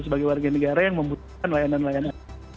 sebagai warga negara yang membutuhkan layanan layanan